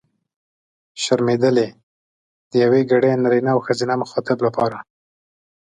شرمېدلې! د یوګړي نرينه او ښځينه مخاطب لپاره.